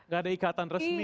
gak ada ikatan resmi